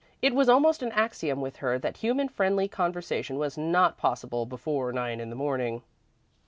It was almost an axiom with her that human, friendly conversation was not possible before nine in the morning.